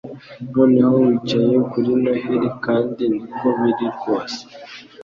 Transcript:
Noneho wicaye kuri Noheri kandi niko biri rwose